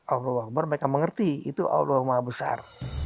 allah akbar mereka mengerti itu allah maha besar